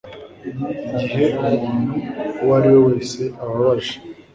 igihe umuntu uwo ari we wese ababaje